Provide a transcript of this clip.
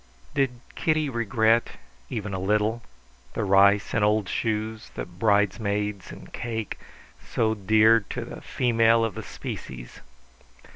Did Kitty regret, even a little, the rice and old shoes, the bridesmaids and cake, so dear to the female of the species?